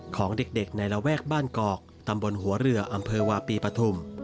ของเด็กในระแวกบ้านกอกตำบลหัวเรืออำเภอวาปีปฐุม